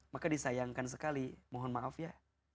maka disayangkan sekali mohon maaf ya